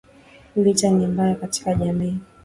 Vita ni mbaya katika jamiii